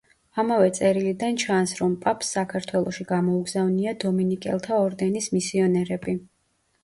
ამავე წერილიდან ჩანს, რომ პაპს საქართველოში გამოუგზავნია დომინიკელთა ორდენის მისიონერები.